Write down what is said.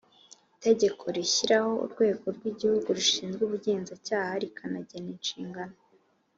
Itegeko rishyiraho urwego rw igihugu rushinzwe ubugenzacyaha rikanagena inshingano